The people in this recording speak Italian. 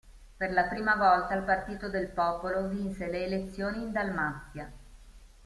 Per la prima volta il Partito del Popolo vinse le elezioni in Dalmazia.